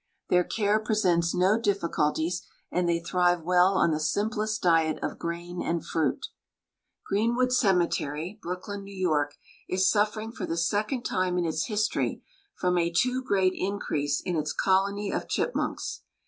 Their care presents no difficulties, and they thrive well on the simplest diet of grain and fruit. Greenwood Cemetery, Brooklyn, N. Y., is suffering for the second time in its history from a too great increase in its colony of chipmunks.